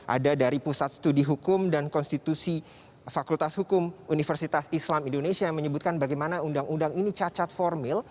ada dari pusat studi hukum dan konstitusi fakultas hukum universitas islam indonesia yang menyebutkan bagaimana undang undang ini cacat formil